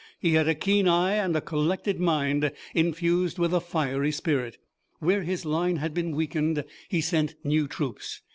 He had a keen eye and a collected mind, infused with a fiery spirit. Where his line had been weakened he sent new troops.